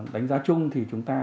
đánh giá chung thì chúng ta